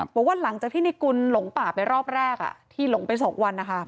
บอกว่าหลังจากที่ในกุลหลงป่าไปรอบแรกที่หลงไป๒วัน